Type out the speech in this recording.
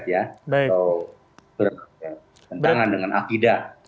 ya atau berkentangan dengan akidah